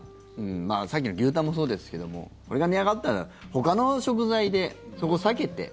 さっきの牛タンもそうですけどもこれが値上がったらほかの食材でそこを避けて。